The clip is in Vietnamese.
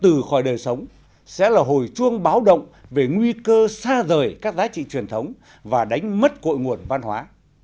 từ khỏi đời sống sẽ là hồi chuông báo động về nguy cơ xa rời các giá trị truyền thống và đánh mất cội nguồn văn hóa